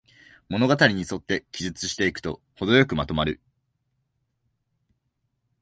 物語にそって記述していくと、ほどよくまとまる